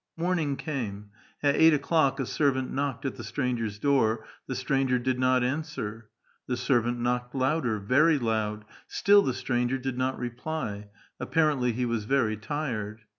Morning came ; at eight o'clock a servant knocked at the stranger's door; tlie stranger did not answer. The servant knocked louder, very loud; still the stranger did not reply. Apparently he was very tired.